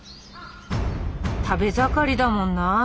食べ盛りだもんな。